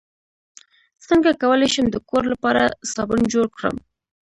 څنګه کولی شم د کور لپاره صابن جوړ کړم